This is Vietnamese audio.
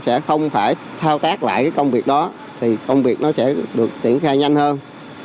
sẽ không phải thao tác lại công việc đó công việc sẽ được tiễn khai nhanh hơn